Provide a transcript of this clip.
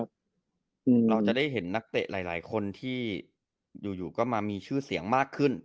เราจะได้เห็นนักเตะหลายคนที่อยู่ก็มามีชื่อเสียงมากขึ้น